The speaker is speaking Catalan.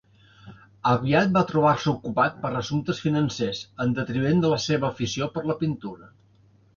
Aviat va trobar-se ocupat per assumptes financers, en detriment de la seva afició per la pintura.